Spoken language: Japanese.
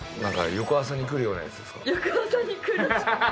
翌朝にくる？